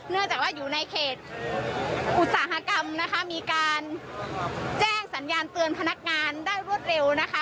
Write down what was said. เนื่องจากว่าอยู่ในเขตอุตสาหกรรมนะคะมีการแจ้งสัญญาณเตือนพนักงานได้รวดเร็วนะคะ